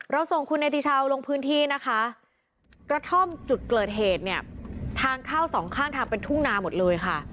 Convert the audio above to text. ส่งคุณเนติชาวลงพื้นที่นะคะกระท่อมจุดเกิดเหตุเนี่ยทางเข้าสองข้างทางเป็นทุ่งนาหมดเลยค่ะ